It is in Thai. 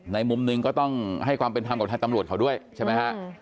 มุมหนึ่งก็ต้องให้ความเป็นธรรมกับทางตำรวจเขาด้วยใช่ไหมฮะ